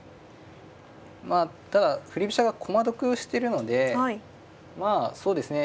まあただ振り飛車が駒得してるのでまあそうですね